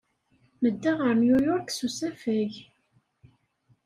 Nedda ɣer New York s usafag.